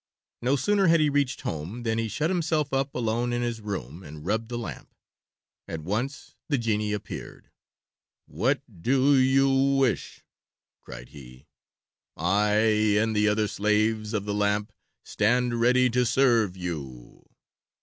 No sooner had he reached home than he shut himself up alone in his room and rubbed the lamp. At once the genie appeared. "What do you wish?" cried he. "I and the other slaves of the lamp stand ready to serve you."